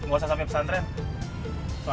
nama yang diberikan